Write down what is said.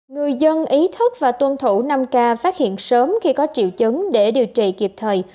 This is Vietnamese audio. người dân ý thức và tuân thủ năm k phát hiện sớm khi có triệu chứng để điều trị kịp thời